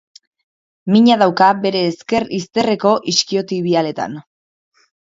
Mina dauka bere ezker izterreko iskiotibialetan.